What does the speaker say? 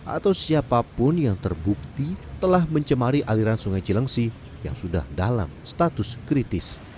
atau siapapun yang terbukti telah mencemari aliran sungai cilengsi yang sudah dalam status kritis